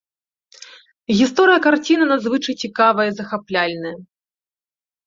Гісторыя карціны надзвычай цікавая і захапляльная.